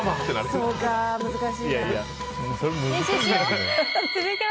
そうか難しいな。